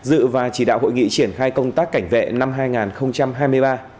dự và chỉ đạo hội nghị triển khai công tác cảnh vệ năm hai nghìn hai mươi ba